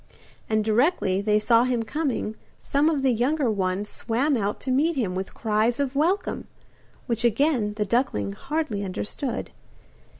And directly they saw him coming some of the younger ones swam out to meet him with cries of welcome, which again the duckling hardly understood.